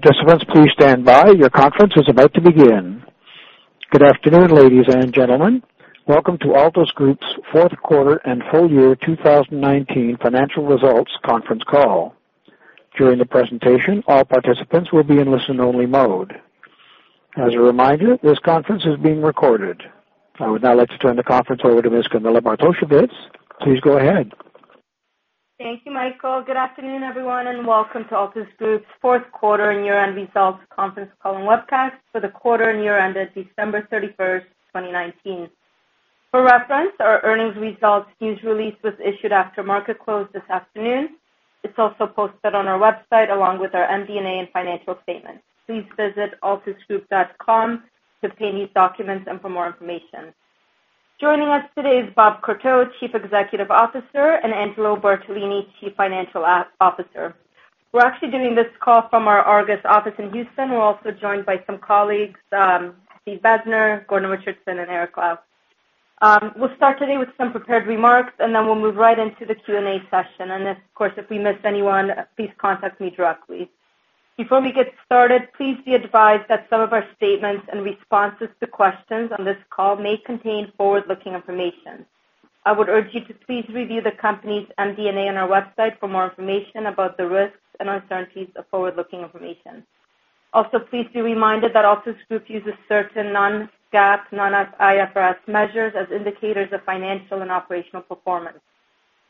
Participants, please stand by. Your conference is about to begin. Good afternoon, ladies and gentlemen. Welcome to Altus Group's fourth quarter and full year 2019 financial results conference call. During the presentation, all participants will be in listen-only mode. As a reminder, this conference is being recorded. I would now like to turn the conference over to Ms. Camilla Bartosiewicz. Please go ahead. Thank you, Michael. Good afternoon, everyone, and welcome to Altus Group's fourth quarter and year-end results conference call and webcast for the quarter and year ended December 31st, 2019. For reference, our earnings results news release was issued after market close this afternoon. It's also posted on our website along with our MD&A and financial statements. Please visit altusgroup.com to obtain these documents and for more information. Joining us today is Bob Courteau, Chief Executive Officer, and Angelo Bartolini, Chief Financial Officer. We're actually doing this call from our ARGUS office in Houston. We're also joined by some colleagues, Steve Bezner, Gordon Richardson, and Eric Li. We'll start today with some prepared remarks, and then we'll move right into the Q&A session. Of course, if we miss anyone, please contact me directly. Before we get started, please be advised that some of our statements and responses to questions on this call may contain forward-looking information. I would urge you to please review the company's MD&A on our website for more information about the risks and uncertainties of forward-looking information. Please be reminded that Altus Group uses certain non-GAAP, non-IFRS measures as indicators of financial and operational performance.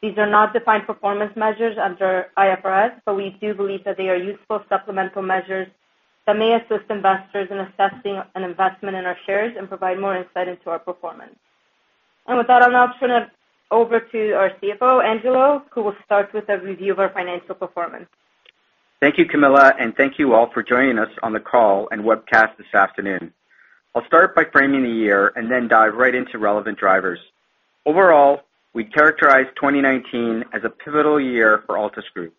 These are not defined performance measures under IFRS, but we do believe that they are useful supplemental measures that may assist investors in assessing an investment in our shares and provide more insight into our performance. I'll now turn it over to our CFO, Angelo, who will start with a review of our financial performance. Thank you, Camilla. Thank you all for joining us on the call and webcast this afternoon. I'll start by framing the year and then dive right into relevant drivers. Overall, we characterize 2019 as a pivotal year for Altus Group.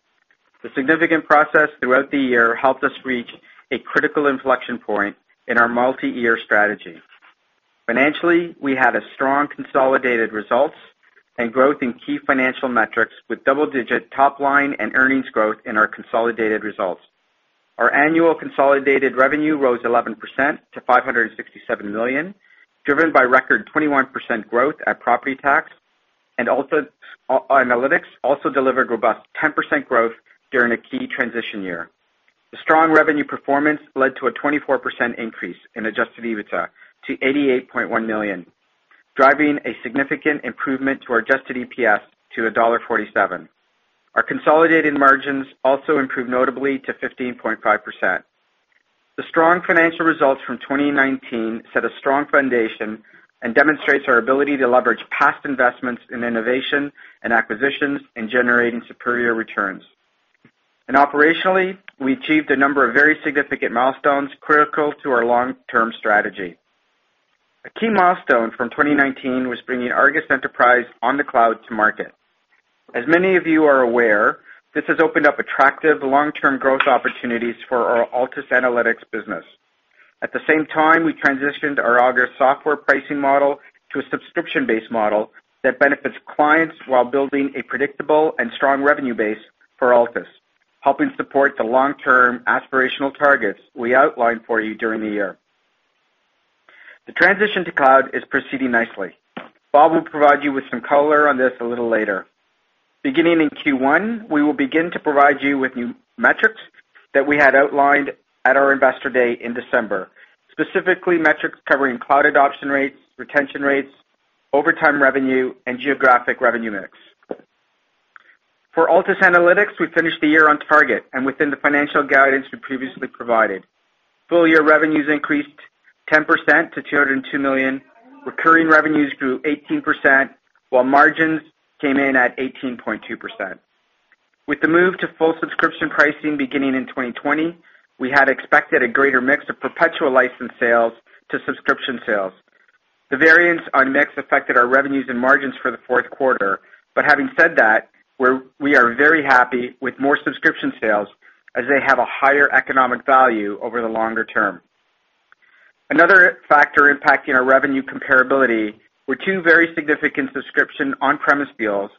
The significant process throughout the year helped us reach a critical inflection point in our multi-year strategy. Financially, we had strong consolidated results and growth in key financial metrics with double-digit top line and earnings growth in our consolidated results. Our annual consolidated revenue rose 11% to 567 million, driven by record 21% growth at Property Tax. Altus Analytics also delivered robust 10% growth during a key transition year. The strong revenue performance led to a 24% increase in adjusted EBITDA to 88.1 million, driving a significant improvement to our adjusted EPS to dollar 1.47. Our consolidated margins also improved notably to 15.5%. The strong financial results from 2019 set a strong foundation and demonstrates our ability to leverage past investments in innovation and acquisitions in generating superior returns. Operationally, we achieved a number of very significant milestones critical to our long-term strategy. A key milestone from 2019 was bringing ARGUS Enterprise on the cloud to market. As many of you are aware, this has opened up attractive long-term growth opportunities for our Altus Analytics business. At the same time, we transitioned our ARGUS software pricing model to a subscription-based model that benefits clients while building a predictable and strong revenue base for Altus, helping support the long-term aspirational targets we outlined for you during the year. The transition to cloud is proceeding nicely. Bob will provide you with some color on this a little later. Beginning in Q1, we will begin to provide you with new metrics that we had outlined at our investor day in December, specifically metrics covering cloud adoption rates, retention rates, overtime revenue, and geographic revenue mix. For Altus Analytics, we finished the year on target and within the financial guidance we previously provided. Full-year revenues increased 10% to 202 million. Recurring revenues grew 18%, while margins came in at 18.2%. With the move to full subscription pricing beginning in 2020, we had expected a greater mix of perpetual license sales to subscription sales. The variance on mix affected our revenues and margins for the fourth quarter. Having said that, we are very happy with more subscription sales as they have a higher economic value over the longer term. Another factor impacting our revenue comparability were two very significant subscription on-premise deals,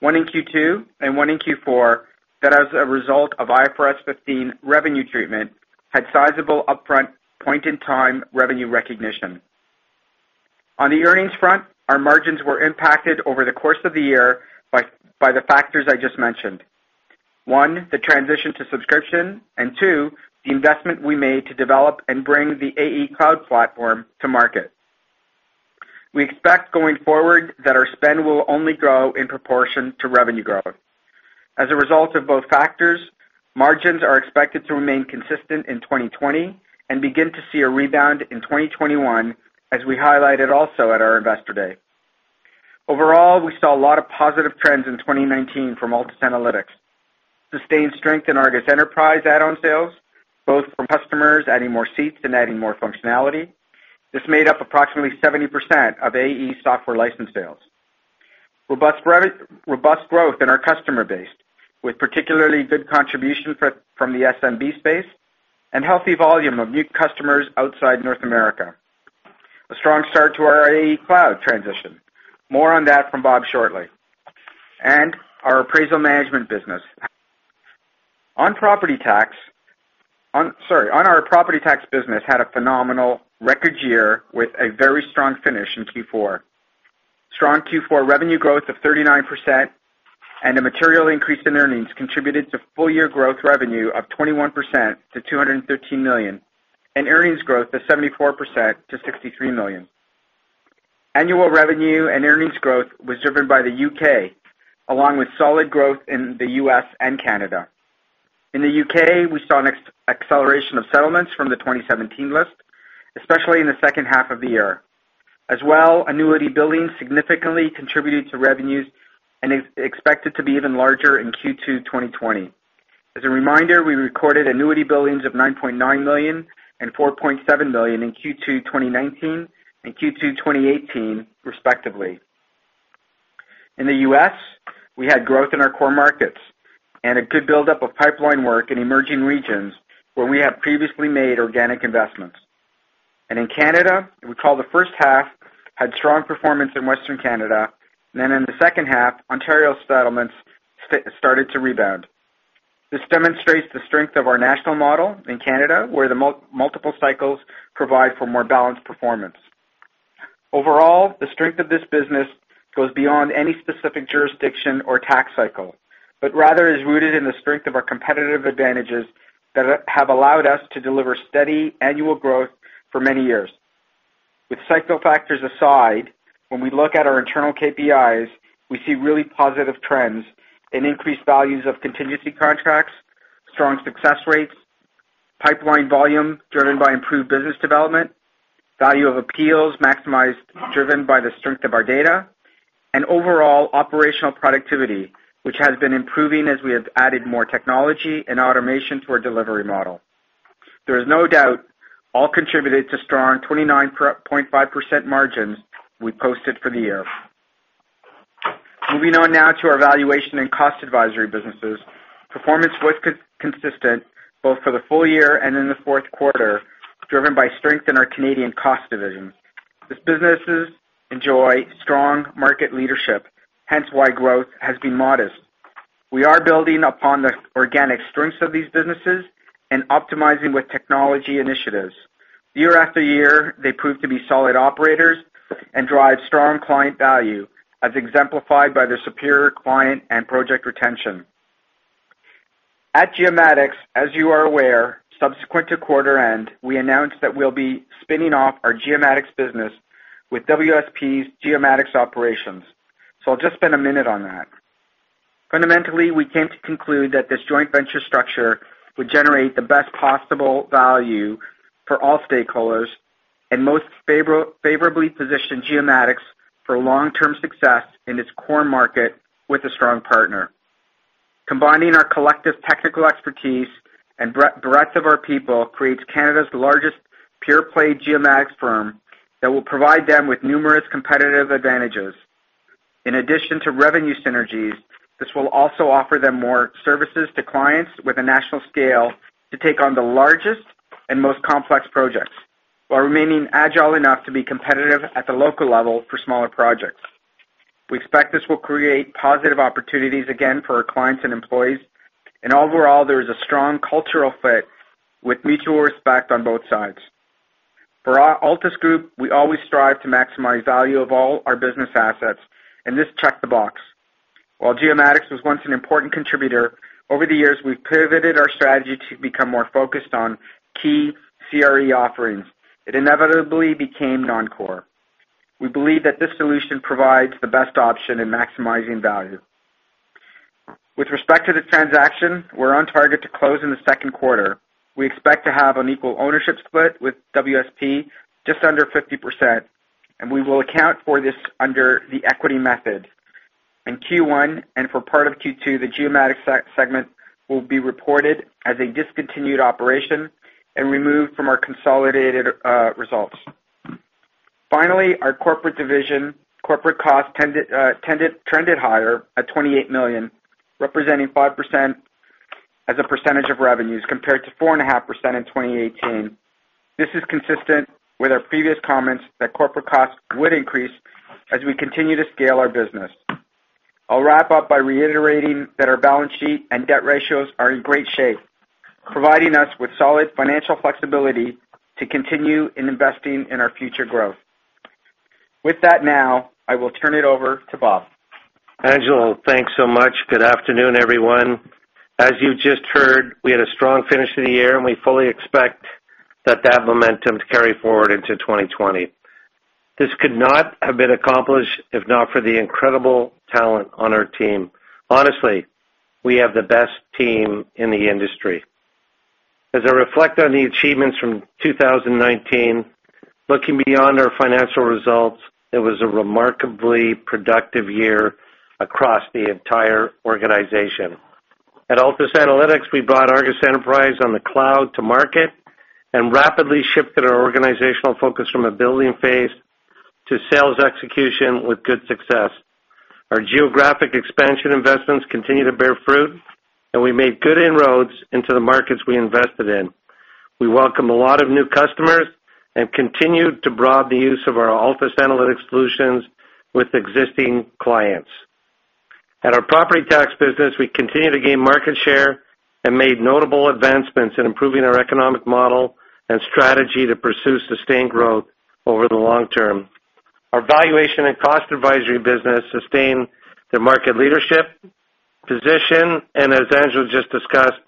one in Q2 and one in Q4, that as a result of IFRS 15 revenue treatment, had sizable upfront point-in-time revenue recognition. On the earnings front, our margins were impacted over the course of the year by the factors I just mentioned. One, the transition to subscription, and two, the investment we made to develop and bring the AE cloud platform to market. We expect going forward that our spend will only grow in proportion to revenue growth. As a result of both factors, margins are expected to remain consistent in 2020 and begin to see a rebound in 2021, as we highlighted also at our investor day. Overall, we saw a lot of positive trends in 2019 from Altus Analytics. Sustained strength in ARGUS Enterprise add-on sales, both from customers adding more seats and adding more functionality. This made up approximately 70% of AE software license sales. Robust growth in our customer base, with particularly good contribution from the SMB space, and healthy volume of new customers outside North America. A strong start to our AE cloud transition. More on that from Bob shortly. Our appraisal management business. On our property tax business had a phenomenal record year with a very strong finish in Q4. Strong Q4 revenue growth of 39% and a material increase in earnings contributed to full-year growth revenue of 21% to 213 million and earnings growth of 74% to 63 million. Annual revenue and earnings growth was driven by the U.K., along with solid growth in the U.S. and Canada. In the U.K., we saw an acceleration of settlements from the 2017 list, especially in the second half of the year. Annuity billings significantly contributed to revenues and is expected to be even larger in Q2 2020. As a reminder, we recorded annuity billings of 9.9 million and 4.7 million in Q2 2019 and Q2 2018, respectively. In the U.S., we had growth in our core markets and a good buildup of pipeline work in emerging regions where we have previously made organic investments. In Canada, you'll recall the first half had strong performance in Western Canada, and then in the second half, Ontario settlements started to rebound. This demonstrates the strength of our national model in Canada, where the multiple cycles provide for more balanced performance. Overall, the strength of this business goes beyond any specific jurisdiction or tax cycle, but rather is rooted in the strength of our competitive advantages that have allowed us to deliver steady annual growth for many years. With cycle factors aside, when we look at our internal KPIs, we see really positive trends in increased values of contingency contracts, strong success rates, pipeline volume driven by improved business development, value of appeals maximized driven by the strength of our data, and overall operational productivity, which has been improving as we have added more technology and automation to our delivery model. There is no doubt all contributed to strong 29.5% margins we posted for the year. Moving on now to our valuation and cost advisory businesses. Performance was consistent both for the full year and in the fourth quarter, driven by strength in our Canadian cost division. These businesses enjoy strong market leadership, hence why growth has been modest. We are building upon the organic strengths of these businesses and optimizing with technology initiatives. Year after year, they prove to be solid operators and drive strong client value, as exemplified by their superior client and project retention. At Geomatics, as you are aware, subsequent to quarter end, we announced that we'll be spinning off our Geomatics business with WSP's Geomatics operations. I'll just spend a minute on that. Fundamentally, we came to conclude that this joint venture structure would generate the best possible value for all stakeholders and most favorably position Geomatics for long-term success in its core market with a strong partner. Combining our collective technical expertise and breadth of our people creates Canada's largest pure-play Geomatics firm that will provide them with numerous competitive advantages. In addition to revenue synergies, this will also offer them more services to clients with a national scale to take on the largest and most complex projects while remaining agile enough to be competitive at the local level for smaller projects. Overall, there is a strong cultural fit with mutual respect on both sides. For Altus Group, we always strive to maximize value of all our business assets. This checked the box. While Geomatics was once an important contributor, over the years, we've pivoted our strategy to become more focused on key CRE offerings. It inevitably became non-core. We believe that this solution provides the best option in maximizing value. With respect to the transaction, we're on target to close in the second quarter. We expect to have an equal ownership split with WSP, just under 50%, and we will account for this under the equity method. In Q1 and for part of Q2, the Geomatics segment will be reported as a discontinued operation and removed from our consolidated results. Finally, our corporate division, corporate cost trended higher at 28 million, representing 5% as a percentage of revenues, compared to 4.5% in 2018. This is consistent with our previous comments that corporate costs would increase as we continue to scale our business. I'll wrap up by reiterating that our balance sheet and debt ratios are in great shape, providing us with solid financial flexibility to continue in investing in our future growth. With that now, I will turn it over to Bob. Angelo, thanks so much. Good afternoon, everyone. As you just heard, we had a strong finish to the year, and we fully expect that that momentum to carry forward into 2020. This could not have been accomplished if not for the incredible talent on our team. Honestly, we have the best team in the industry. As I reflect on the achievements from 2019, looking beyond our financial results, it was a remarkably productive year across the entire organization. At Altus Analytics, we brought ARGUS Enterprise on the cloud to market and rapidly shifted our organizational focus from a building phase to sales execution with good success. Our geographic expansion investments continue to bear fruit, and we made good inroads into the markets we invested in. We welcome a lot of new customers and continue to broaden the use of our Altus Analytics solutions with existing clients. At our property tax business, we continue to gain market share and made notable advancements in improving our economic model and strategy to pursue sustained growth over the long term. Our valuation and cost advisory business sustained their market leadership position, and as Angelo just discussed,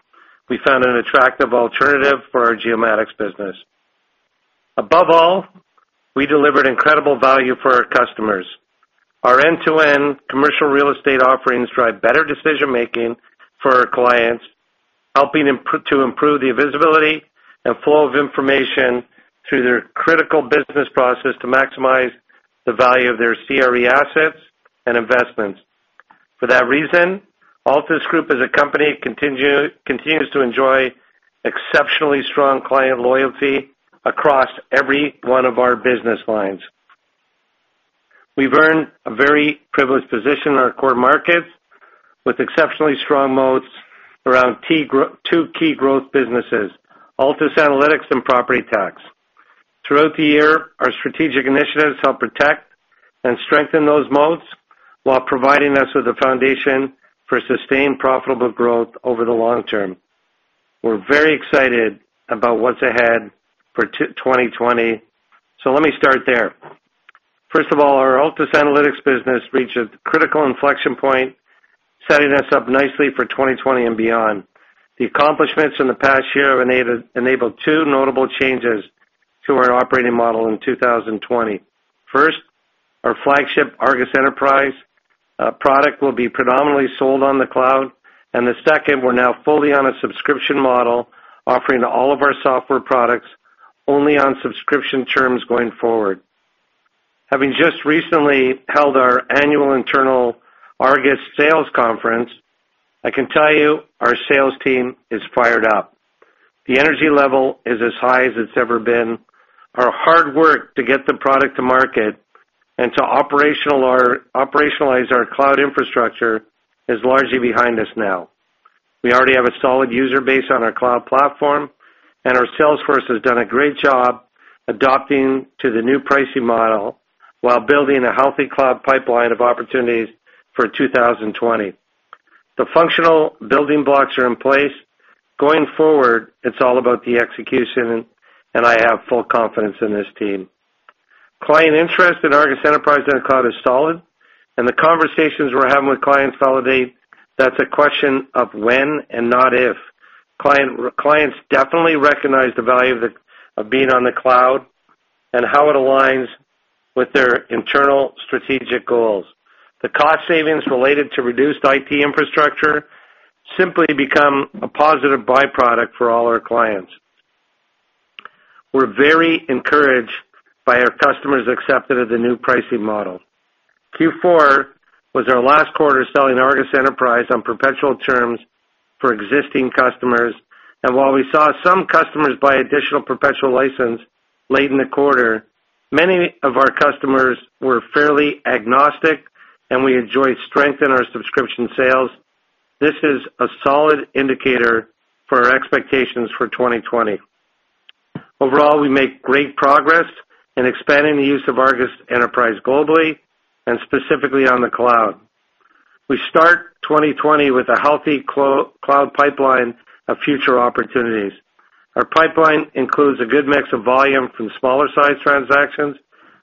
we found an attractive alternative for our Geomatics business. Above all, we delivered incredible value for our customers. Our end-to-end commercial real estate offerings drive better decision-making for our clients, helping to improve the visibility and flow of information through their critical business process to maximize the value of their CRE assets and investments. For that reason, Altus Group as a company continues to enjoy exceptionally strong client loyalty across every one of our business lines. We've earned a very privileged position in our core markets with exceptionally strong moats around two key growth businesses, Altus Analytics and Property Tax. Throughout the year, our strategic initiatives help protect and strengthen those moats while providing us with a foundation for sustained profitable growth over the long term. We're very excited about what's ahead for 2020. Let me start there. First of all, our Altus Analytics business reached a critical inflection point, setting us up nicely for 2020 and beyond. The accomplishments in the past year have enabled two notable changes to our operating model in 2020. First, our flagship ARGUS Enterprise product will be predominantly sold on the cloud. The second, we're now fully on a subscription model, offering all of our software products only on subscription terms going forward. Having just recently held our annual internal ARGUS Sales Conference, I can tell you our sales team is fired up. The energy level is as high as it's ever been. Our hard work to get the product to market and to operationalize our cloud infrastructure is largely behind us now. We already have a solid user base on our cloud platform, and our sales force has done a great job adapting to the new pricing model while building a healthy cloud pipeline of opportunities for 2020. The functional building blocks are in place. Going forward, it's all about the execution, and I have full confidence in this team. Client interest in ARGUS Enterprise on the cloud is solid, and the conversations we're having with clients validate that's a question of when and not if. Clients definitely recognize the value of being on the cloud and how it aligns with their internal strategic goals. The cost savings related to reduced IT infrastructure simply become a positive byproduct for all our clients. We're very encouraged by our customers acceptance of the new pricing model. Q4 was our last quarter selling ARGUS Enterprise on perpetual terms for existing customers. While we saw some customers buy additional professional license late in the quarter, many of our customers were fairly agnostic, and we enjoyed strength in our subscription sales. This is a solid indicator for our expectations for 2020. Overall, we make great progress in expanding the use of ARGUS Enterprise globally and specifically on the cloud. We start 2020 with a healthy cloud pipeline of future opportunities. Our pipeline includes a good mix of volume from smaller-sized transactions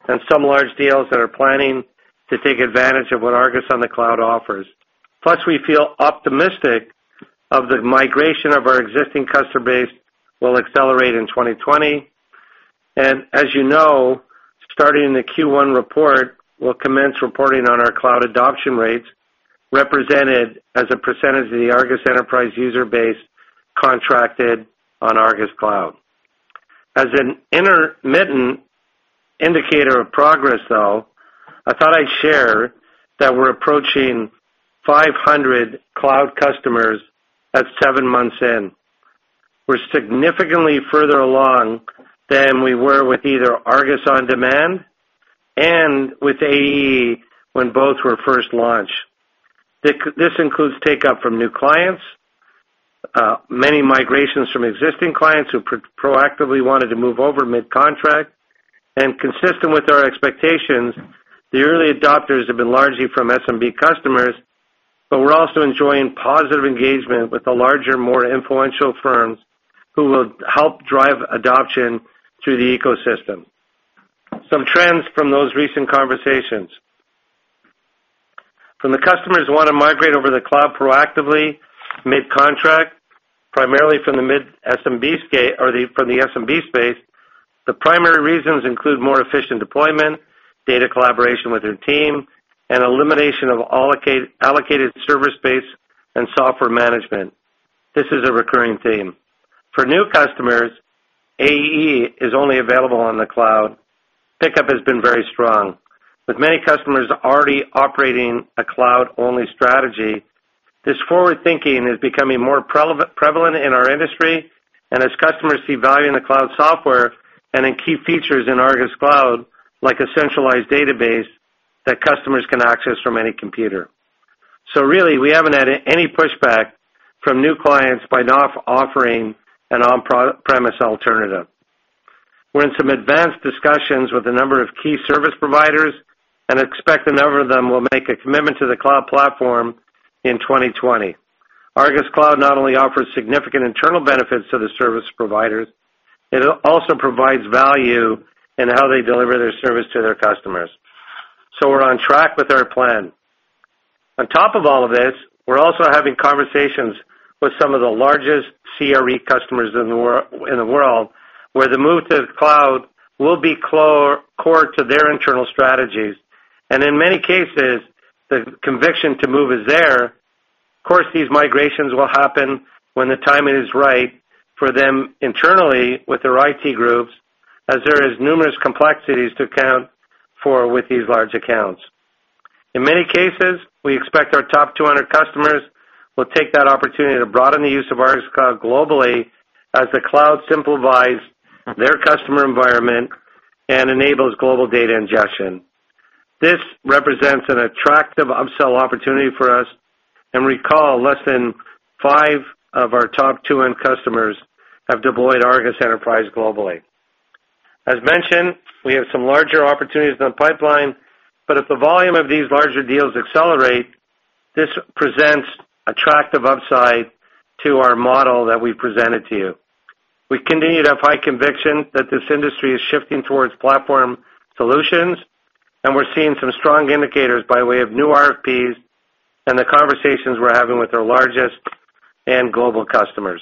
and some large deals that are planning to take advantage of what ARGUS on the cloud offers. We feel optimistic of the migration of our existing customer base will accelerate in 2020. As you know, starting the Q1 report, we'll commence reporting on our cloud adoption rates, represented as a percentage of the ARGUS Enterprise user base contracted on ARGUS Cloud. As an intermittent indicator of progress, though, I thought I'd share that we're approaching 500 cloud customers at seven months in. We're significantly further along than we were with either ARGUS On Demand and with ARGUS Enterprise when both were first launched. This includes take-up from new clients, many migrations from existing clients who proactively wanted to move over mid-contract. Consistent with our expectations, the early adopters have been largely from SMB customers, but we're also enjoying positive engagement with the larger, more influential firms who will help drive adoption through the ecosystem. Some trends from those recent conversations. From the customers who want to migrate over to the cloud proactively mid-contract, primarily from the SMB space, the primary reasons include more efficient deployment, data collaboration with their team, and elimination of allocated server space and software management. This is a recurring theme. For new customers, AE is only available on the cloud. Pickup has been very strong, with many customers already operating a cloud-only strategy. This forward-thinking is becoming more prevalent in our industry, and as customers see value in the cloud software and in key features in ARGUS Cloud, like a centralized database that customers can access from any computer. We haven't had any pushback from new clients by not offering an on-premise alternative. We're in some advanced discussions with a number of key service providers and expect a number of them will make a commitment to the cloud platform in 2020. ARGUS Cloud not only offers significant internal benefits to the service providers, it also provides value in how they deliver their service to their customers. We're on track with our plan. On top of all of this, we're also having conversations with some of the largest CRE customers in the world, where the move to the cloud will be core to their internal strategies. In many cases, the conviction to move is there. Of course, these migrations will happen when the timing is right for them internally with their IT groups, as there is numerous complexities to account for with these large accounts. In many cases, we expect our top 200 customers will take that opportunity to broaden the use of ARGUS Cloud globally as the cloud simplifies their customer environment and enables global data ingestion. This represents an attractive upsell opportunity for us. Recall, less than five of our top 200 customers have deployed ARGUS Enterprise globally. As mentioned, we have some larger opportunities in the pipeline, but if the volume of these larger deals accelerate, this presents attractive upside to our model that we've presented to you. We continue to have high conviction that this industry is shifting towards platform solutions, and we're seeing some strong indicators by way of new RFPs and the conversations we're having with our largest and global customers.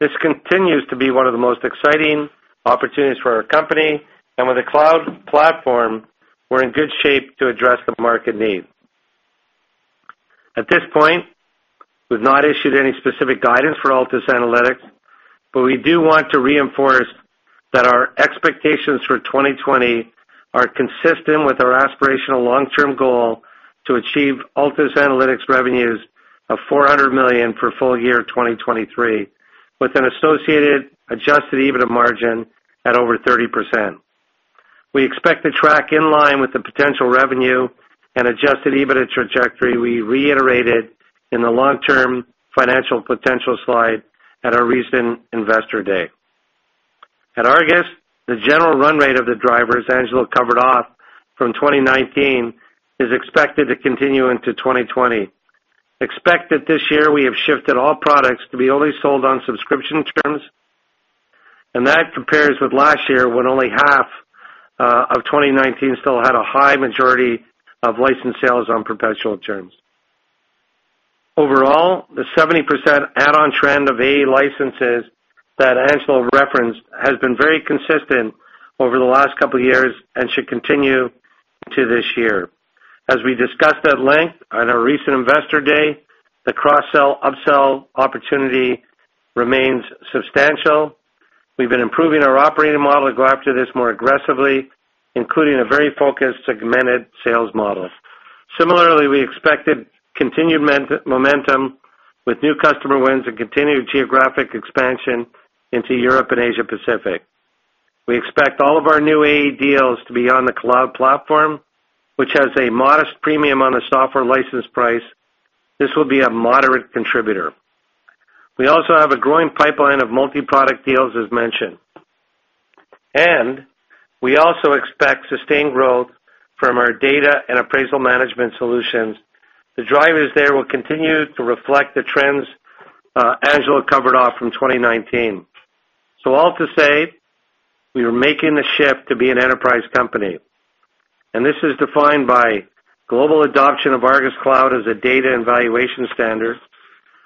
This continues to be one of the most exciting opportunities for our company. With the cloud platform, we're in good shape to address the market need. At this point, we've not issued any specific guidance for Altus Analytics, but we do want to reinforce that our expectations for 2020 are consistent with our aspirational long-term goal to achieve Altus Analytics revenues of 400 million for full year 2023, with an associated adjusted EBITDA margin at over 30%. We expect to track in line with the potential revenue and adjusted EBITDA trajectory we reiterated in the long-term financial potential slide at our recent Investor Day. At ARGUS, the general run rate of the drivers Angelo covered off from 2019 is expected to continue into 2020. Expect that this year we have shifted all products to be only sold on subscription terms, and that compares with last year, when only half of 2019 still had a high majority of licensed sales on perpetual terms. Overall, the 70% add-on trend of AA licenses that Angelo referenced has been very consistent over the last couple of years and should continue into this year. As we discussed at length at our recent Investor Day, the cross-sell, upsell opportunity remains substantial. We've been improving our operating model to go after this more aggressively, including a very focused, segmented sales model. Similarly, we expected continued momentum with new customer wins and continued geographic expansion into Europe and Asia Pacific. We expect all of our new AA deals to be on the cloud platform, which has a modest premium on a software license price. This will be a moderate contributor. We also have a growing pipeline of multi-product deals, as mentioned, and we also expect sustained growth from our data and appraisal management solutions. The drivers there will continue to reflect the trends Angelo covered off from 2019. All to say, we are making the shift to be an enterprise company, and this is defined by global adoption of ARGUS Cloud as a data and valuation standard,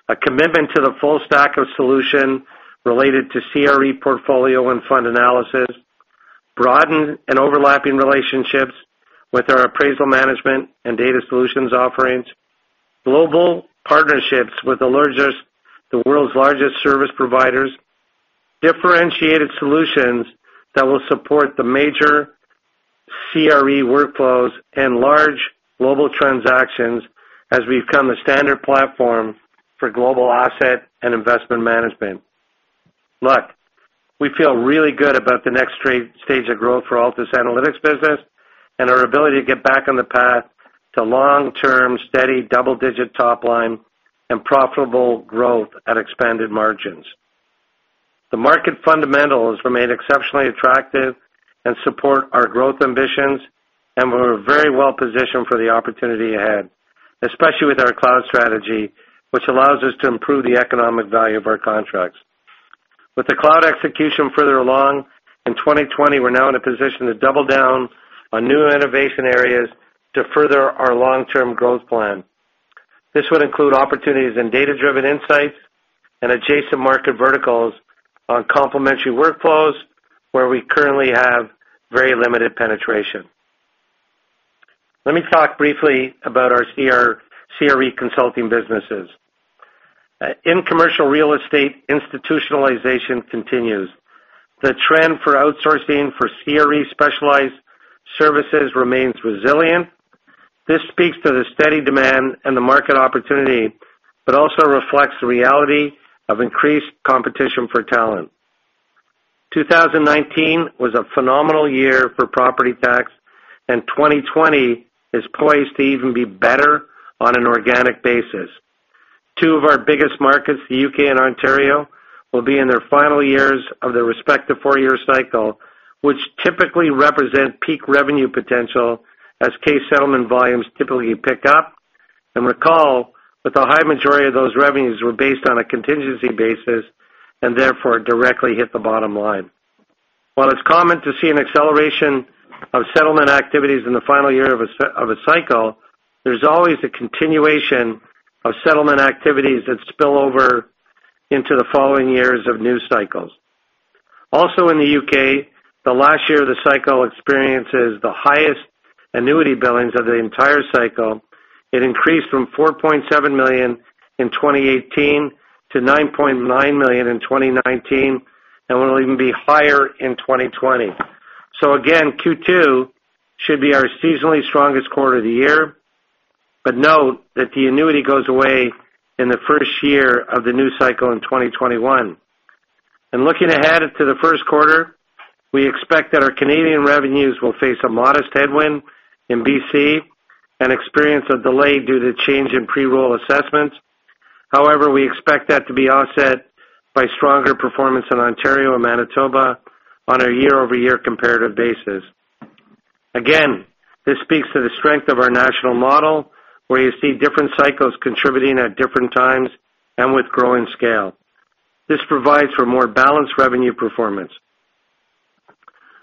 a commitment to the full stack of solution related to CRE portfolio and fund analysis, broaden and overlapping relationships with our appraisal management and data solutions offerings, global partnerships with the world's largest service providers, differentiated solutions that will support the major CRE workflows and large global transactions as we become the standard platform for global asset and investment management. Look, we feel really good about the next stage of growth for Altus Analytics business and our ability to get back on the path to long-term, steady, double-digit top line and profitable growth at expanded margins. The market fundamentals remain exceptionally attractive and support our growth ambitions. We're very well positioned for the opportunity ahead, especially with our cloud strategy, which allows us to improve the economic value of our contracts. With the cloud execution further along in 2020, we're now in a position to double down on new innovation areas to further our long-term growth plan. This would include opportunities in data-driven insights and adjacent market verticals on complementary workflows where we currently have very limited penetration. Let me talk briefly about our CRE consulting businesses. In commercial real estate, institutionalization continues. The trend for outsourcing for CRE specialized services remains resilient. This speaks to the steady demand and the market opportunity, but also reflects the reality of increased competition for talent. 2019 was a phenomenal year for property tax. 2020 is poised to even be better on an organic basis. Two of our biggest markets, the U.K. and Ontario, will be in their final years of their respective four-year cycle, which typically represent peak revenue potential as case settlement volumes typically pick up. Recall that the high majority of those revenues were based on a contingency basis, and therefore directly hit the bottom line. While it's common to see an acceleration of settlement activities in the final year of a cycle, there's always a continuation of settlement activities that spill over into the following years of new cycles. Also in the U.K., the last year of the cycle experiences the highest annuity billings of the entire cycle. It increased from 4.7 million in 2018 to 9.9 million in 2019, and will even be higher in 2020. Again, Q2 should be our seasonally strongest quarter of the year. Note that the annuity goes away in the first year of the new cycle in 2021. Looking ahead into the first quarter, we expect that our Canadian revenues will face a modest headwind in B.C. and experience a delay due to change in pre-rule assessments. However, we expect that to be offset by stronger performance in Ontario and Manitoba on a year-over-year comparative basis. Again, this speaks to the strength of our national model, where you see different cycles contributing at different times and with growing scale. This provides for more balanced revenue performance.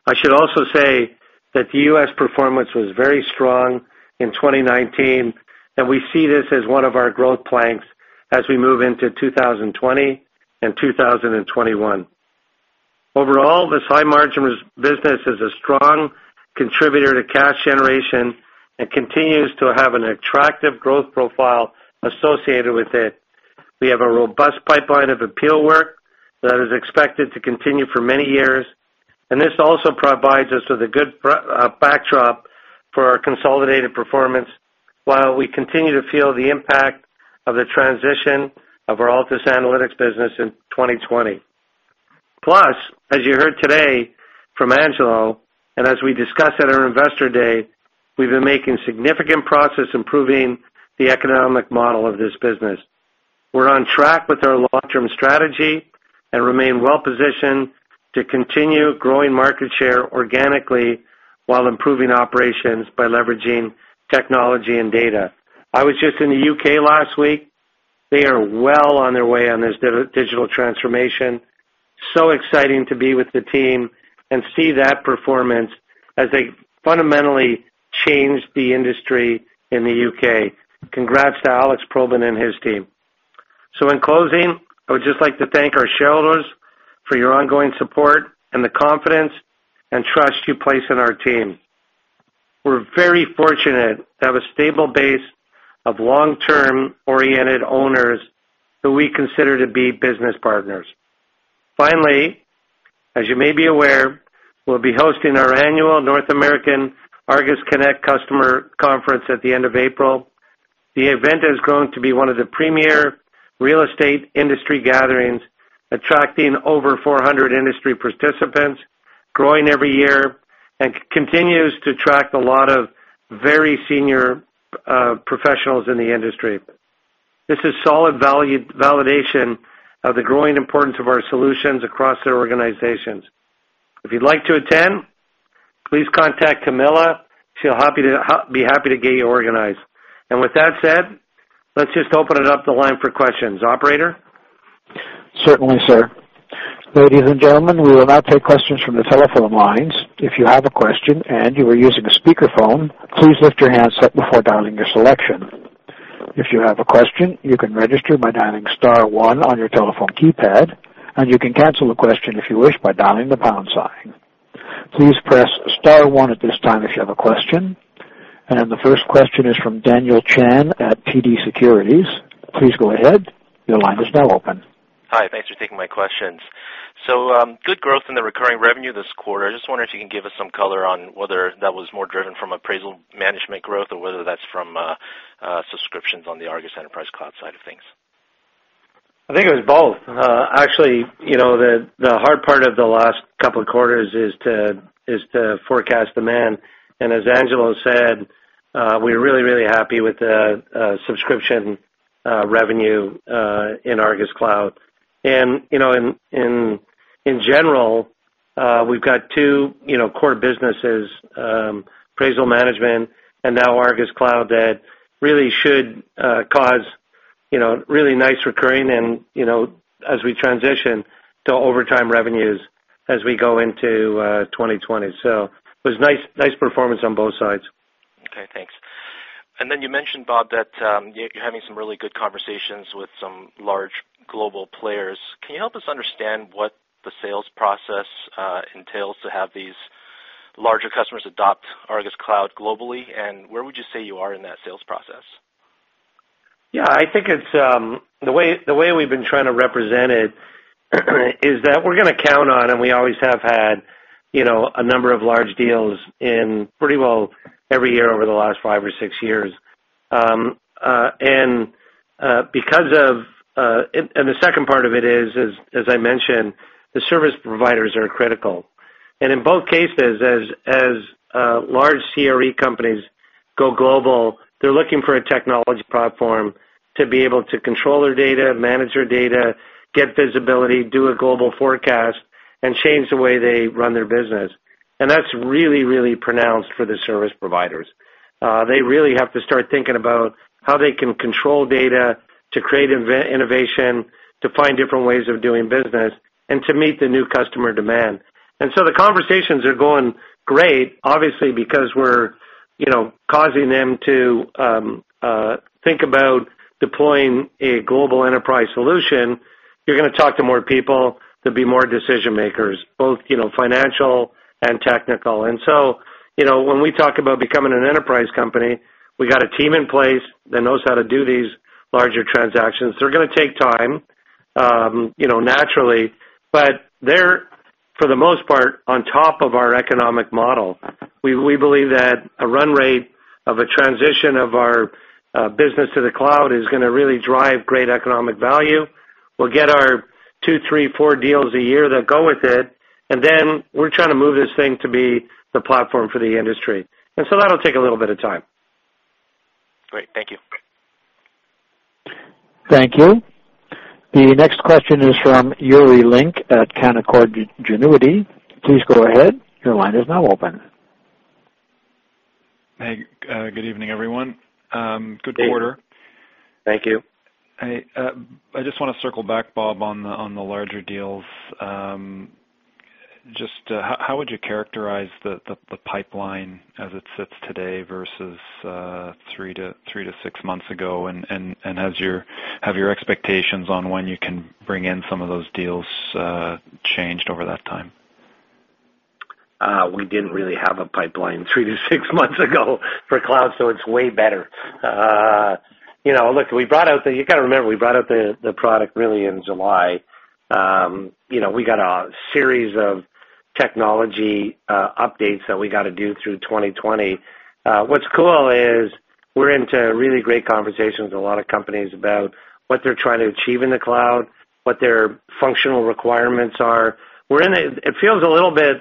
I should also say that the U.S. performance was very strong in 2019, and we see this as one of our growth planks as we move into 2020 and 2021. Overall, this high-margin business is a strong contributor to cash generation and continues to have an attractive growth profile associated with it. We have a robust pipeline of appeal work that is expected to continue for many years, and this also provides us with a good backdrop for our consolidated performance while we continue to feel the impact of the transition of our Altus Analytics business in 2020. As you heard today from Angelo, and as we discussed at our Investor Day, we've been making significant progress improving the economic model of this business. We're on track with our long-term strategy and remain well-positioned to continue growing market share organically while improving operations by leveraging technology and data. I was just in the U.K. last week. They are well on their way on this digital transformation. Exciting to be with the team and see that performance as they fundamentally change the industry in the U.K. Congrats to Alex Philpott and his team. In closing, I would just like to thank our shareholders for your ongoing support and the confidence and trust you place in our team. We're very fortunate to have a stable base of long-term oriented owners who we consider to be business partners. Finally, as you may be aware, we'll be hosting our annual North American ARGUS Connect customer conference at the end of April. The event has grown to be one of the premier real estate industry gatherings, attracting over 400 industry participants, growing every year, and continues to attract a lot of very senior professionals in the industry. This is solid validation of the growing importance of our solutions across their organizations. If you'd like to attend, please contact Camilla. She'll be happy to get you organized. With that said, let's just open it up to the line for questions. Operator? Certainly, sir. Ladies and gentlemen, we will now take questions from the telephone lines. If you have a question and you are using a speakerphone, please lift your handset before dialing your selection. If you have a question, you can register by dialing star one on your telephone keypad, and you can cancel the question if you wish by dialing the star sign. Please press star one at this time if you have a question. The first question is from Daniel Chan at TD Securities. Please go ahead. Your line is now open. Hi. Thanks for taking my questions. Good growth in the recurring revenue this quarter. I just wonder if you can give us some color on whether that was more driven from appraisal management growth or whether that's from subscriptions on the ARGUS Enterprise Cloud side of things. I think it was both. Actually, the hard part of the last couple of quarters is to forecast demand. As Angelo said, we're really happy with the subscription revenue in ARGUS Cloud. In general, we've got two core businesses, appraisal management and now ARGUS Cloud, that really should cause nice recurring and as we transition to overtime revenues as we go into 2020. It was nice performance on both sides. Okay, thanks. You mentioned, Bob, that you're having some really good conversations with some large global players. Can you help us understand what the sales process entails to have these larger customers adopt ARGUS Cloud globally, and where would you say you are in that sales process? Yeah, I think the way we've been trying to represent it, is that we're going to count on, and we always have had, a number of large deals in pretty well every year over the last five or six years. The second part of it is, as I mentioned, the service providers are critical. In both cases, as large CRE companies go global, they're looking for a technology platform to be able to control their data, manage their data, get visibility, do a global forecast, and change the way they run their business. That's really, really pronounced for the service providers. They really have to start thinking about how they can control data to create innovation, to find different ways of doing business, and to meet the new customer demand. The conversations are going great, obviously, because we're causing them to think about deploying a global enterprise solution. You're going to talk to more people, there'll be more decision-makers, both financial and technical. When we talk about becoming an enterprise company, we've got a team in place that knows how to do these larger transactions. They're going to take time, naturally. They're, for the most part, on top of our economic model. We believe that a run rate of a transition of our business to the cloud is going to really drive great economic value. We'll get our two, three, four deals a year that go with it, and then we're trying to move this thing to be the platform for the industry. That'll take a little bit of time. Great. Thank you. Thank you. The next question is from Yuri Lynk at Canaccord Genuity. Please go ahead. Your line is now open. Hey, good evening, everyone. Good quarter. Thank you. Hey, I just want to circle back, Bob, on the larger deals. Just how would you characterize the pipeline as it sits today versus three to six months ago? Have your expectations on when you can bring in some of those deals changed over that time? We didn't really have a pipeline three to six months ago for cloud. It's way better. Look, you got to remember, we brought out the product really in July. We got a series of technology updates that we got to do through 2020. What's cool is we're into really great conversations with a lot of companies about what they're trying to achieve in the cloud, what their functional requirements are. It feels a little bit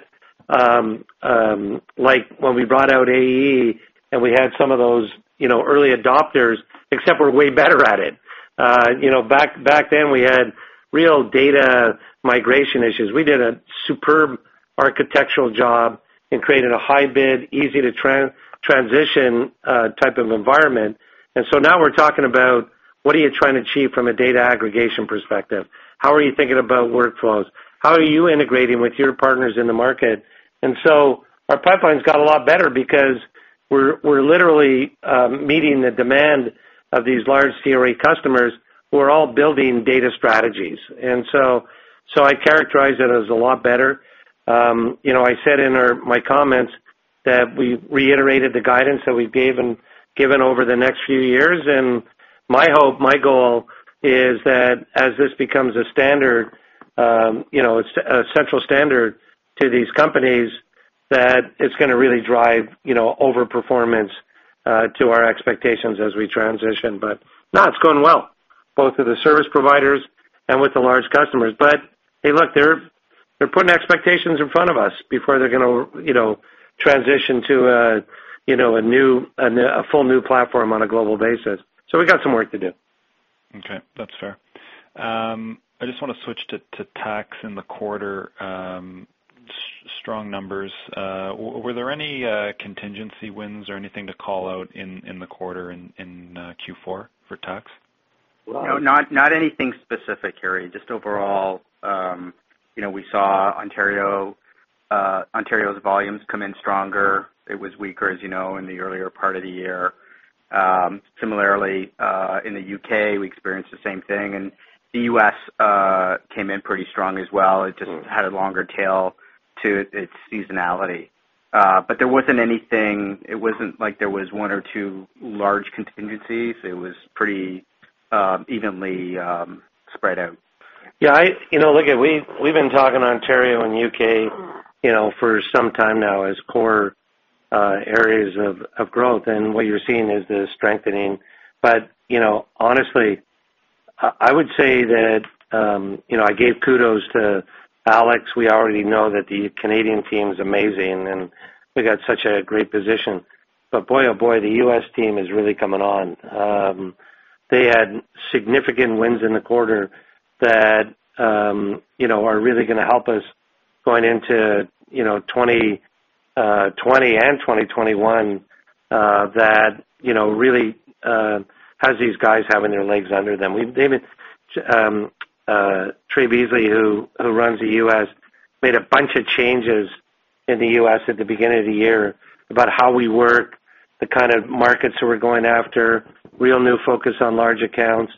like when we brought out AE, and we had some of those early adopters, except we're way better at it. Back then, we had real data migration issues. We did a superb architectural job and created a high-fidelity, easy-to-transition type of environment. Now we're talking about what are you trying to achieve from a data aggregation perspective? How are you thinking about workflows? How are you integrating with your partners in the market? Our pipeline's got a lot better because we're literally meeting the demand of these large CRE customers who are all building data strategies. I characterize it as a lot better. I said in my comments that we reiterated the guidance that we've given over the next few years, and my hope, my goal, is that as this becomes a central standard to these companies, that it's going to really drive over-performance to our expectations as we transition. No, it's going well, both with the service providers and with the large customers. Hey, look, they're putting expectations in front of us before they're going to transition to a full new platform on a global basis. We've got some work to do. Okay. That's fair. I just want to switch to tax in the quarter. Strong numbers. Were there any contingency wins or anything to call out in the quarter, in Q4 for tax? No, not anything specific, Yuri. Just overall we saw Ontario's volumes come in stronger. It was weaker, as you know, in the earlier part of the year. Similarly, in the U.K., we experienced the same thing, and the U.S. came in pretty strong as well. It just had a longer tail to its seasonality. There wasn't anything. It wasn't like there was one or two large contingencies. It was pretty evenly spread out. Yeah. Look, we've been talking Ontario and U.K. for some time now as core areas of growth, and what you're seeing is the strengthening. Honestly, I would say that I gave kudos to Alex. We already know that the Canadian team's amazing, and they got such a great position. Boy, oh boy, the U.S. team is really coming on. They had significant wins in the quarter that are really going to help us going into 2020 and 2021. That really has these guys having their legs under them. Trey Beasley, who runs the U.S., made a bunch of changes in the U.S. at the beginning of the year about how we work, the kind of markets that we're going after, real new focus on large accounts,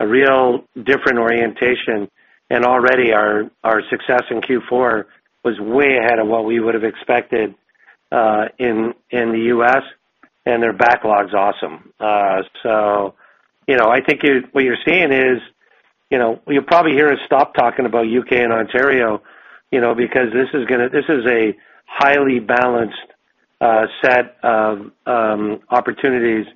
a real different orientation. Already our success in Q4 was way ahead of what we would've expected in the U.S., and their backlog's awesome. I think what you're seeing. You'll probably hear us stop talking about U.K. and Ontario, because this is a highly balanced set of opportunities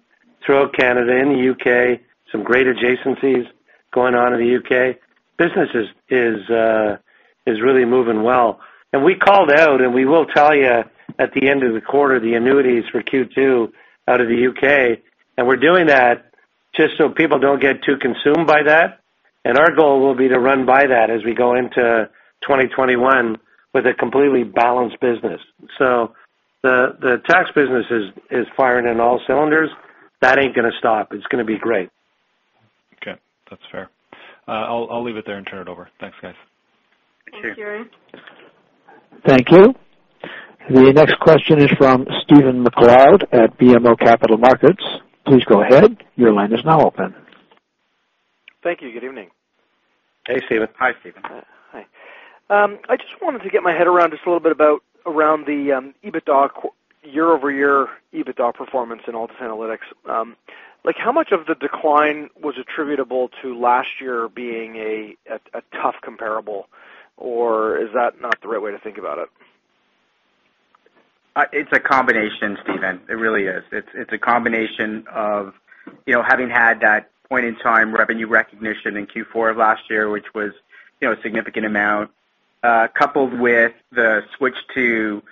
throughout Canada and the U.K. Some great adjacencies going on in the U.K. Business is really moving well. We called out, and we will tell you at the end of the quarter, the annuities for Q2 out of the U.K., and we're doing that just so people don't get too consumed by that. Our goal will be to run by that as we go into 2021 with a completely balanced business. The tax business is firing on all cylinders. That ain't going to stop. It's going to be great. Okay. That's fair. I'll leave it there and turn it over. Thanks, guys. Sure. Thanks, Yuri. Thank you. The next question is from Stephen MacLeod at BMO Capital Markets. Please go ahead. Your line is now open. Thank you. Good evening. Hey, Stephen. Hi, Stephen. Hi. I just wanted to get my head around just a little bit about around the year-over-year EBITDA performance in Altus Analytics. How much of the decline was attributable to last year being a tough comparable? Is that not the right way to think about it? It's a combination, Stephen. It really is. It's a combination of having had that point-in-time revenue recognition in Q4 of last year, which was a significant amount, coupled with the switch to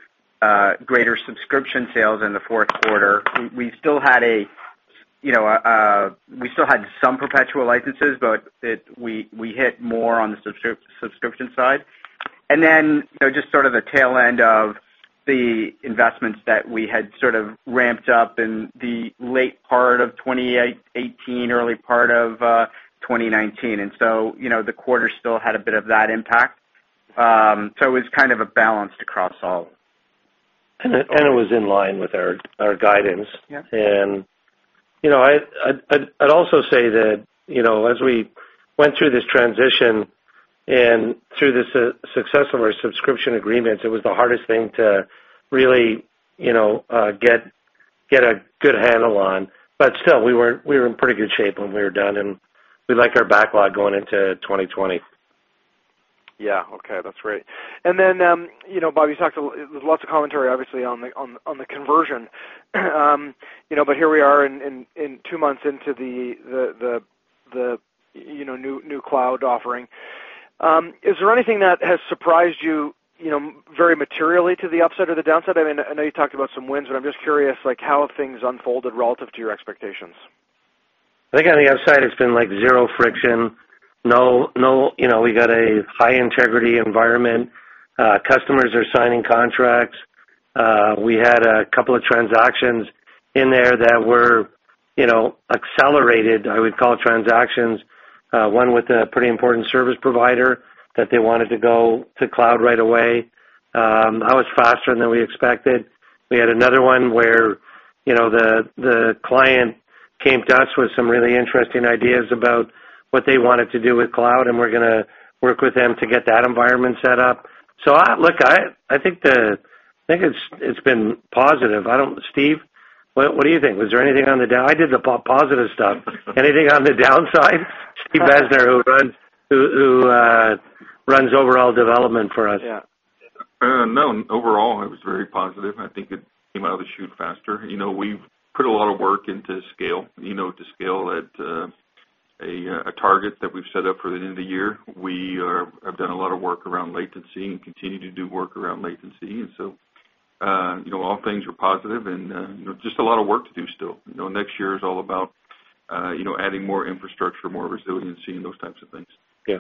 greater subscription sales in the fourth quarter. We still had some perpetual licenses, we hit more on the subscription side. Just sort of the tail end of the investments that we had sort of ramped up in the late part of 2018, early part of 2019. The quarter still had a bit of that impact. It was kind of a balance across all. It was in line with our guidance. Yeah. I'd also say that as we went through this transition and through the success of our subscription agreements, it was the hardest thing to really get a good handle on. Still, we were in pretty good shape when we were done, and we liked our backlog going into 2020. Yeah. Okay. That's great. Then Bob, there's lots of commentary obviously on the conversion. Here we are two months into the new cloud offering. Is there anything that has surprised you very materially to the upside or the downside? I know you talked about some wins, but I'm just curious how have things unfolded relative to your expectations? I think on the upside, it's been zero friction. We got a high-integrity environment. Customers are signing contracts. We had a couple of transactions in there that were accelerated, I would call, transactions. One with a pretty important service provider that they wanted to go to cloud right away. That was faster than we expected. We had another one where the client came to us with some really interesting ideas about what they wanted to do with cloud, and we're going to work with them to get that environment set up. Look, I think it's been positive. Steve, what do you think? Was there anything on the downside? I did the positive stuff. Anything on the downside? Steve Bezner, who runs overall development for us. Yeah. No. Overall, it was very positive, and I think it came out of the chute faster. We've put a lot of work into scale, to scale at a target that we've set up for the end of the year. We have done a lot of work around latency and continue to do work around latency. All things were positive and just a lot of work to do still. Next year is all about adding more infrastructure, more resiliency, and those types of things. Yeah.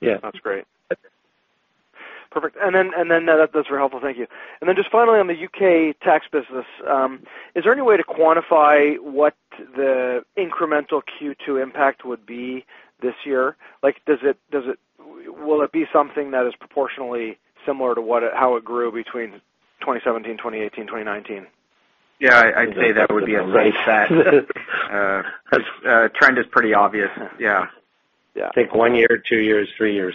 Yeah. That's great. Perfect. Those were helpful. Thank you. Just finally on the U.K. tax business, is there any way to quantify what the incremental Q2 impact would be this year? Will it be something that is proportionally similar to how it grew between 2017, 2018, 2019? Yeah. I'd say that would be a safe bet. Trend is pretty obvious. Yeah. Yeah. Think one year, two years, three years.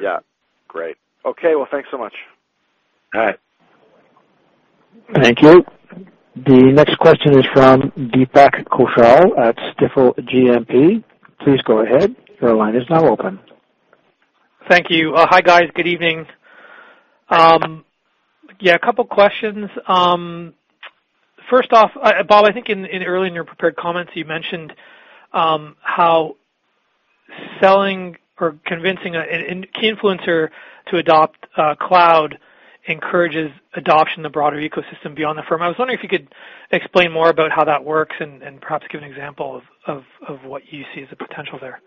Yeah. Great. Okay. Well, thanks so much. All right. Thank you. The next question is from Deepak Kaushal at Stifel. Please go ahead. Your line is now open. Thank you. Hi, guys. Good evening. Yeah, a couple questions. First off, Bob, I think early in your prepared comments, you mentioned how selling or convincing a key influencer to adopt cloud encourages adoption in the broader ecosystem beyond the firm. I was wondering if you could explain more about how that works and perhaps give an example of what you see as a potential there.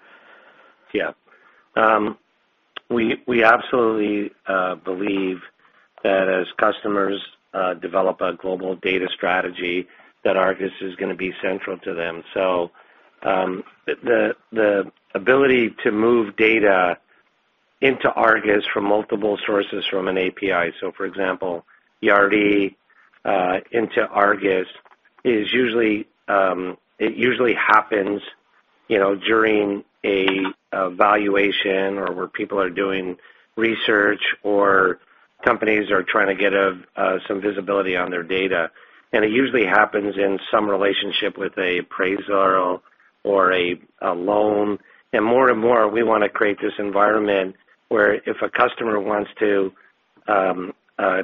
Yeah. We absolutely believe that as customers develop a global data strategy, that ARGUS is going to be central to them. The ability to move data into ARGUS from multiple sources from an API, for example, Yardi into ARGUS, it usually happens during a valuation or where people are doing research or companies are trying to get some visibility on their data, and it usually happens in some relationship with an appraiser or a loan. More and more, we want to create this environment where if a customer wants to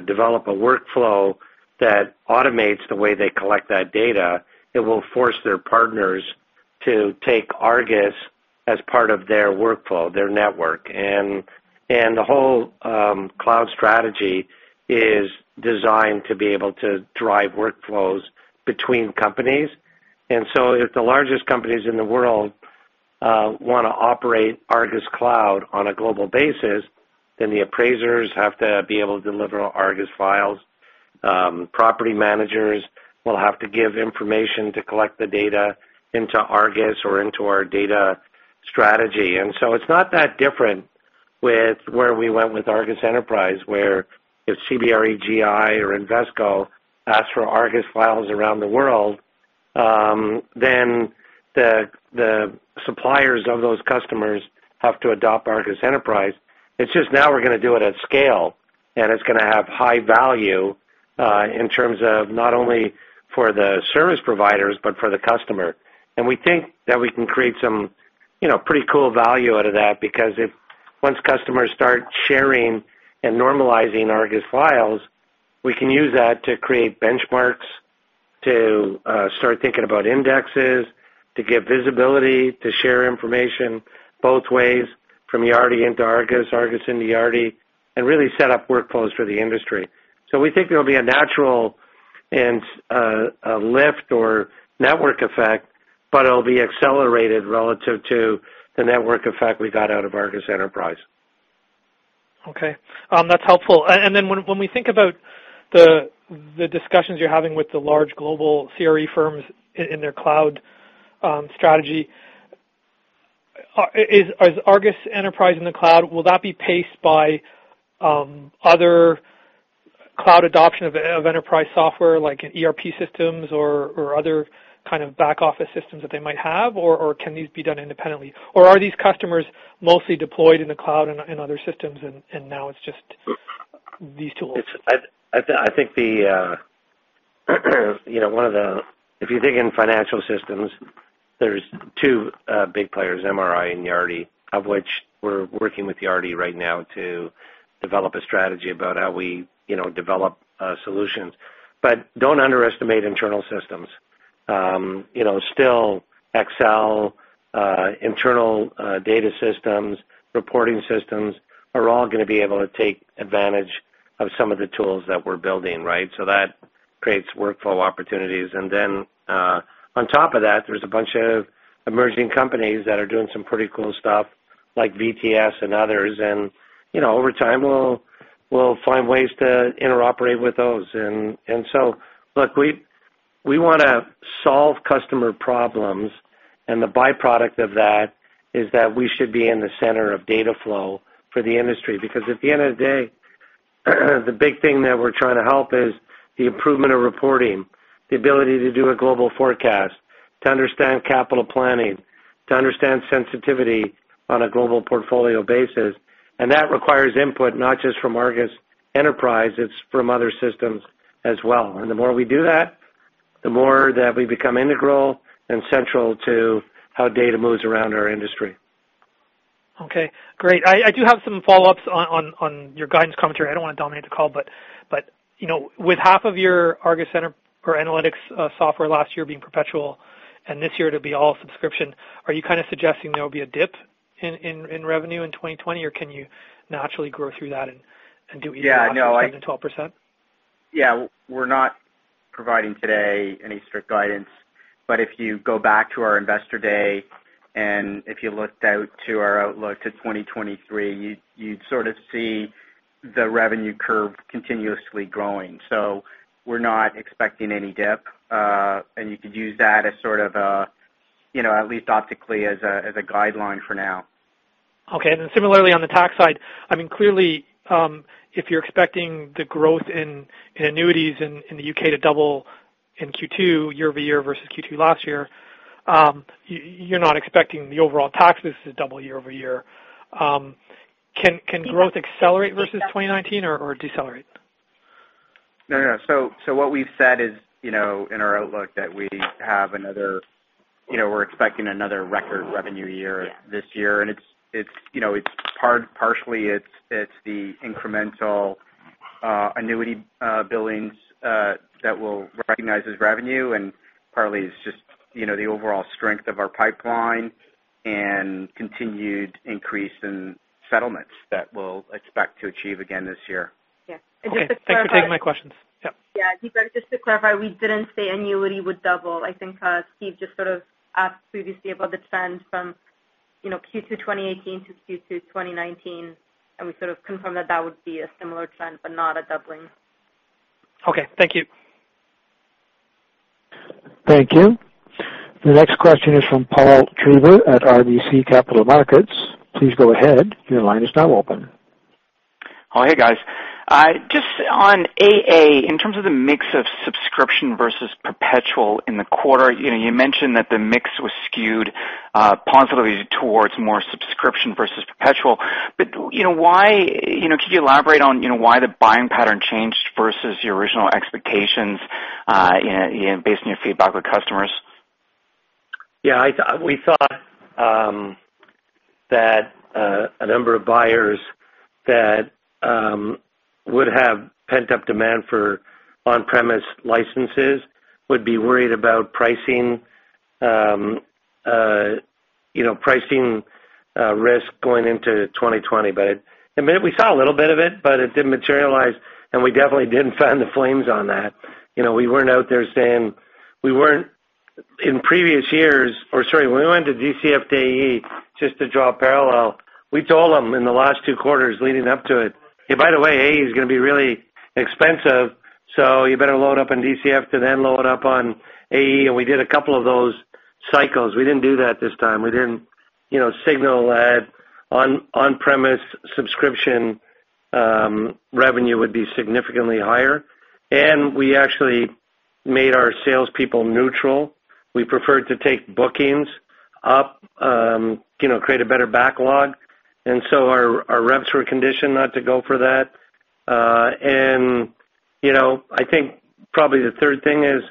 develop a workflow that automates the way they collect that data, it will force their partners to take ARGUS as part of their workflow, their network. The whole cloud strategy is designed to be able to drive workflows between companies. If the largest companies in the world want to operate ARGUS Cloud on a global basis, then the appraisers have to be able to deliver ARGUS files. Property managers will have to give information to collect the data into ARGUS or into our data strategy. It's not that different with where we went with ARGUS Enterprise, where if CBRE, JLL, or Invesco ask for ARGUS files around the world, then the suppliers of those customers have to adopt ARGUS Enterprise. It's just now we're going to do it at scale, and it's going to have high value in terms of not only for the service providers but for the customer. We think that we can create some pretty cool value out of that, because if once customers start sharing and normalizing ARGUS files, we can use that to create benchmarks, to start thinking about indexes, to give visibility, to share information both ways, from Yardi into ARGUS into Yardi, and really set up workflows for the industry. We think there'll be a natural and a lift or network effect, but it'll be accelerated relative to the network effect we got out of ARGUS Enterprise. Okay. That's helpful. When we think about the discussions you're having with the large global CRE firms in their cloud strategy, is ARGUS Enterprise in the cloud, will that be paced by other cloud adoption of enterprise software like ERP systems or other kind of back office systems that they might have? Or can these be done independently? Or are these customers mostly deployed in the cloud and other systems, and now it's just these tools? If you think in financial systems, there's two big players, MRI and Yardi, of which we're working with Yardi right now to develop a strategy about how we develop solutions. Don't underestimate internal systems. Still Excel, internal data systems, reporting systems are all going to be able to take advantage of some of the tools that we're building, right? That creates workflow opportunities. On top of that, there's a bunch of emerging companies that are doing some pretty cool stuff like VTS and others. Over time, we'll find ways to interoperate with those. Look, we want to solve customer problems, and the byproduct of that is that we should be in the center of data flow for the industry. At the end of the day, the big thing that we're trying to help is the improvement of reporting, the ability to do a global forecast, to understand capital planning, to understand sensitivity on a global portfolio basis. That requires input, not just from ARGUS Enterprise, it's from other systems as well. The more we do that, the more that we become integral and central to how data moves around our industry. Okay, great. I do have some follow-ups on your guidance commentary. With half of your ARGUS Center for Analytics software last year being perpetual, and this year it'll be all subscription, are you kind of suggesting there'll be a dip in revenue in 2020? Or can you naturally grow through that? Yeah, no. 11%-12%? Yeah. We're not providing today any strict guidance. If you go back to our investor day, and if you looked out to our outlook to 2023, you'd sort of see the revenue curve continuously growing. We're not expecting any dip. You could use that as sort of a, at least optically, as a guideline for now. Okay. Similarly on the tax side, clearly, if you're expecting the growth in annuities in the U.K. to double in Q2 year-over-year versus Q2 last year, you're not expecting the overall taxes to double year-over-year. Can growth accelerate versus 2019 or decelerate? No. What we've said is, in our outlook, that we're expecting another record revenue year this year, and partially it's the incremental annuity billings that we'll recognize as revenue, and partly it's just the overall strength of our pipeline and continued increase in settlements that we'll expect to achieve again this year. Yes. Okay. Thank you for taking my questions. Yep. Yeah. Just to clarify, we didn't say annuity would double. I think Steve just sort of asked previously about the trends from Q2 2018 to Q2 2019, and we sort of confirmed that that would be a similar trend, but not a doubling. Okay. Thank you. Thank you. The next question is from Paul Treiber at RBC Capital Markets. Please go ahead. Your line is now open. Hey, guys. Just on AA, in terms of the mix of subscription versus perpetual in the quarter, you mentioned that the mix was skewed positively towards more subscription versus perpetual. Could you elaborate on why the buying pattern changed versus your original expectations based on your feedback with customers? Yeah, we thought that a number of buyers that would have pent-up demand for on-premise licenses would be worried about pricing risk going into 2020. We saw a little bit of it, but it didn't materialize, and we definitely didn't fan the flames on that. In previous years, or sorry, when we went to DCF to AE, just to draw a parallel, we told them in the last two quarters leading up to it, "By the way, AE is going to be really expensive, so you better load up on DCF and then load up on AE." We did a couple of those cycles. We didn't do that this time. We didn't signal that on-premise subscription revenue would be significantly higher. We actually made our salespeople neutral. We preferred to take bookings up, create a better backlog. Our reps were conditioned not to go for that. I think probably the third thing is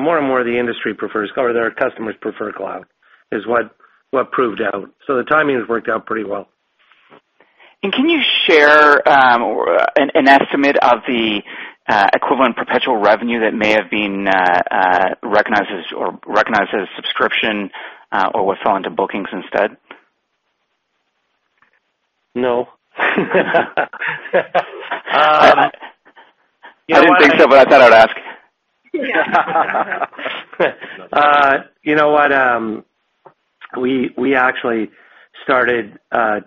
more and more of the industry prefers, or their customers prefer cloud, is what proved out. The timing has worked out pretty well. Can you share an estimate of the equivalent perpetual revenue that may have been recognized as a subscription or what fell into bookings instead? No. I didn't think so, but I thought I'd ask. You know what? We actually started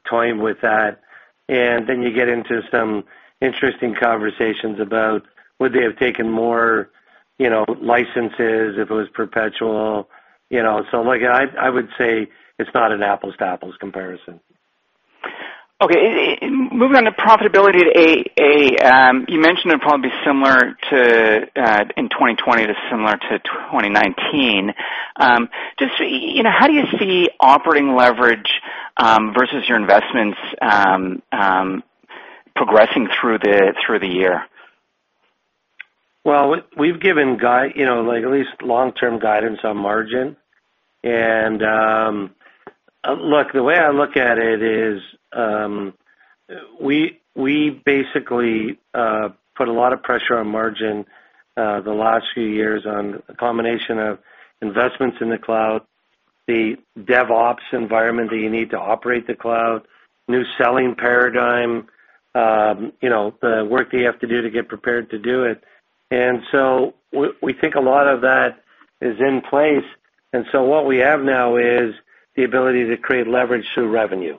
toying with that, and then you get into some interesting conversations about would they have taken more licenses if it was perpetual. I would say it's not an apples to apples comparison. Okay. Moving on to profitability at AE. You mentioned it'll probably be similar in 2020 to 2019. Just how do you see operating leverage versus your investments progressing through the year? We've given at least long-term guidance on margin. Look, the way I look at it is, we basically put a lot of pressure on margin the last few years on a combination of investments in the cloud, the DevOps environment that you need to operate the cloud, new selling paradigm, the work that you have to do to get prepared to do it. We think a lot of that is in place. What we have now is the ability to create leverage through revenue.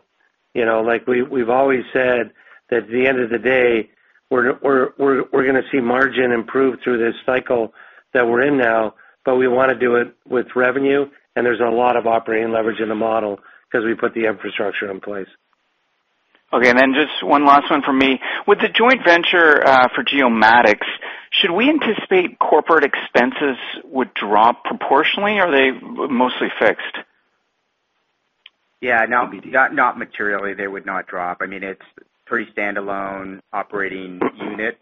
We've always said that at the end of the day, we're going to see margin improve through this cycle that we're in now, but we want to do it with revenue, and there's a lot of operating leverage in the model because we put the infrastructure in place. Okay, just one last one from me. With the joint venture for Geomatics, should we anticipate corporate expenses would drop proportionally, or are they mostly fixed? Yeah, not materially. They would not drop. It's pretty standalone operating unit.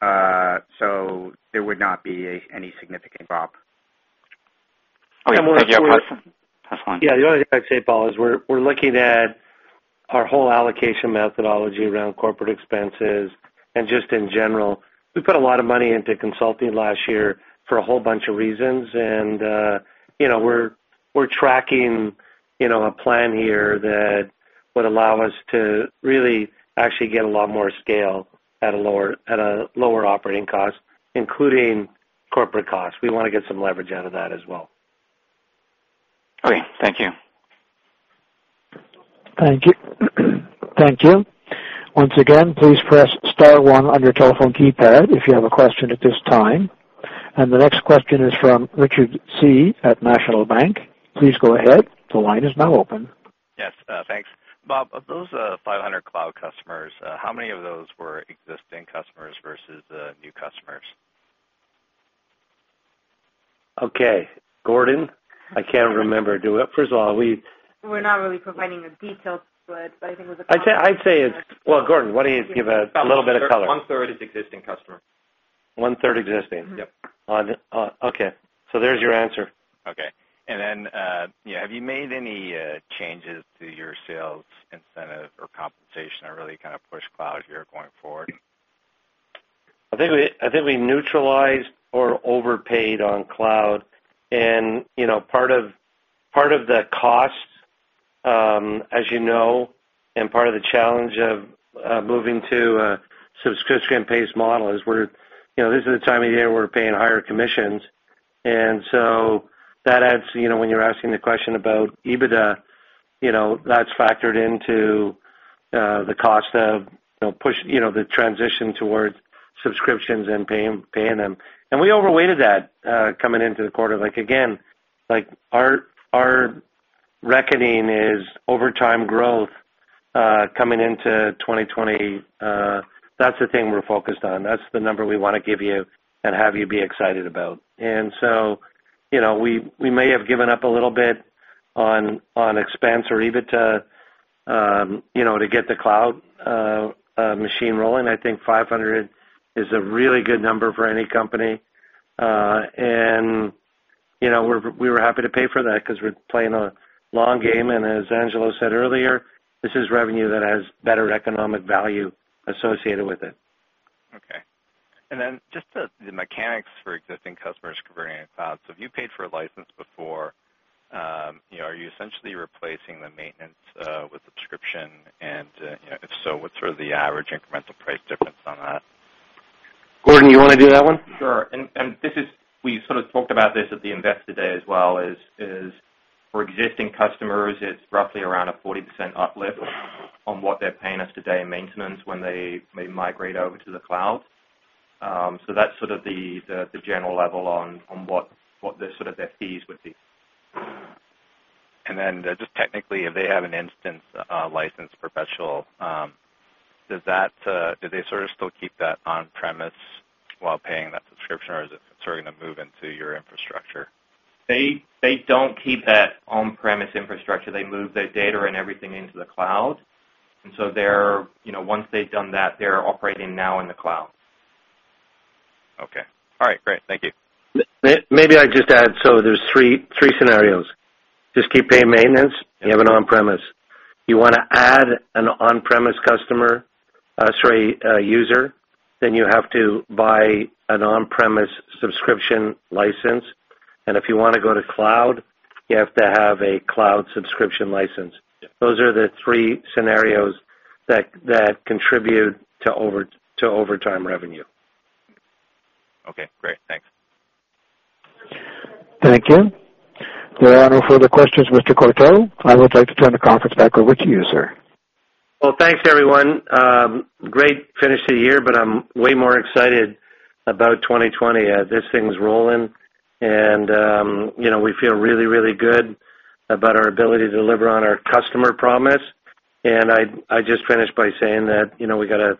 There would not be any significant drop. Okay. Thank you. Last one. Yeah, the only thing I'd say, Paul, is we're looking at our whole allocation methodology around corporate expenses. Just in general, we put a lot of money into consulting last year for a whole bunch of reasons. We're tracking a plan here that would allow us to really actually get a lot more scale at a lower operating cost, including corporate costs. We want to get some leverage out of that as well. Okay. Thank you. Thank you. Once again, please press star one on your telephone keypad if you have a question at this time. The next question is from Richard Tse at National Bank. Please go ahead. The line is now open. Yes, thanks. Bob, of those 500 cloud customers, how many of those were existing customers versus new customers? Okay. Gordon, I can't remember. Do it. First of all. We're not really providing the details, but I think it was. Well, Gordon, why don't you give a little bit of color? One-third is existing customers. One-third existing? Yep. Okay. There's your answer. Okay. Have you made any changes to your sales incentive or compensation to really kind of push cloud here going forward? I think we neutralized or overpaid on cloud. Part of the cost, as you know, and part of the challenge of moving to a subscription-based model is this is the time of year we're paying higher commissions. That adds to when you're asking the question about EBITDA. That's factored into the cost of the transition towards subscriptions and paying them. We overweighted that coming into the quarter. Again, our reckoning is over time growth coming into 2020. That's the thing we're focused on. That's the number we want to give you and have you be excited about. We may have given up a little bit on expense or EBITDA to get the cloud machine rolling. I think 500 is a really good number for any company. We were happy to pay for that because we're playing a long game, and as Angelo said earlier, this is revenue that has better economic value associated with it. Okay. Just the mechanics for existing customers converting to cloud. If you paid for a license before, are you essentially replacing the maintenance with subscription? If so, what's sort of the average incremental price difference on that? Gordon, you want to do that one? Sure. We sort of talked about this at the Investor Day as well, is for existing customers, it's roughly around a 40% uplift on what they're paying us today in maintenance when they migrate over to the cloud. That's sort of the general level on what their fees would be. Just technically, if they have an instance license professional, do they sort of still keep that on-premise while paying that subscription, or is it starting to move into your infrastructure? They don't keep that on-premise infrastructure. They move their data and everything into the cloud. Once they've done that, they're operating now in the cloud. Okay. All right, great. Thank you. Maybe I just add, there's three scenarios. Just keep paying maintenance, you have an on-premise. You want to add an on-premise user, you have to buy an on-premise subscription license. If you want to go to cloud, you have to have a cloud subscription license. Yeah. Those are the three scenarios that contribute to overtime revenue. Okay, great. Thanks. Thank you. There are no further questions, Mr. Courteau. I would like to turn the conference back over to you, sir. Well, thanks everyone. I'm way more excited about 2020 as this thing's rolling. We feel really, really good about our ability to deliver on our customer promise. I just finished by saying that we've got a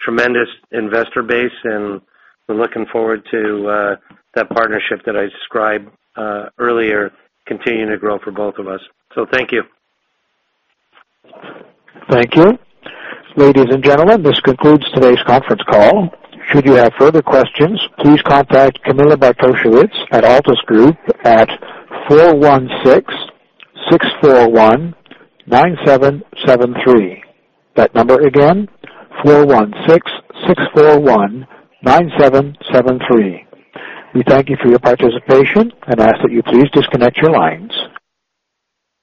tremendous investor base, and we're looking forward to that partnership that I described earlier continuing to grow for both of us. Thank you. Thank you. Ladies and gentlemen, this concludes today's conference call. Should you have further questions, please contact Camilla Bartosiewicz at Altus Group at 416-641-9773. That number again, 416-641-9773. We thank you for your participation and ask that you please disconnect your lines.